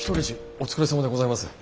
お疲れさまでございます。